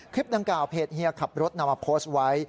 คลิปดังกล่าวเพจเฮียขับรถนำมาโพสต์ไว้